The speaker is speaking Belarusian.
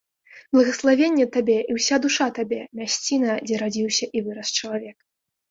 Благаславенне табе і ўся душа табе, мясціна, дзе радзіўся і вырас чалавек.